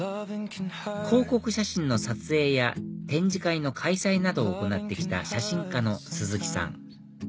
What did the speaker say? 広告写真の撮影や展示会の開催などを行って来た写真家の鈴木さん